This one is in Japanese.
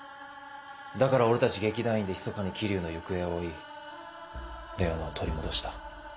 だから俺たち劇団員でひそかに霧生の行方を追いレオナを取り戻した。